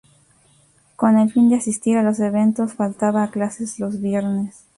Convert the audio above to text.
Con el fin de asistir a los eventos, faltaba a clases los viernes.